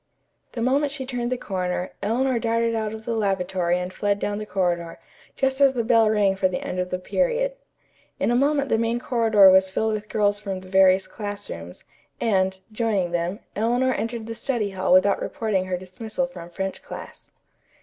The moment she turned the corner, Eleanor darted out of the lavatory and fled down the corridor, just as the bell rang for the end of the period. In a moment the main corridor was filled with girls from the various classrooms, and, joining them, Eleanor entered the study hall without reporting her dismissal from French class.